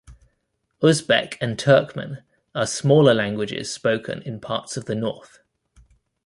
Uzbek and Turkmen are smaller languages spoken in parts of the north.